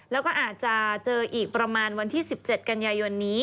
แล้วก็อาจจะเจออีกประมาณวันที่๑๗กันยายนนี้